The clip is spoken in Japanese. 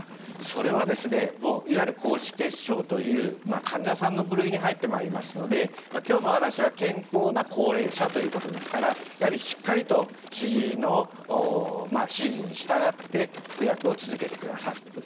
それはいわゆる高脂血症という患者さんの部類に入ってまいりますので今日の話は健康な高齢者ということですからしっかりと主治医の指示に従って服薬を続けてください。